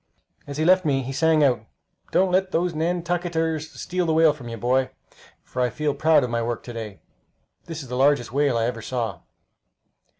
As he left me he sang out, "Don't let those Nantucketers steal the whale from you, boy, for I feel proud of my work to day! That is the largest whale I ever saw."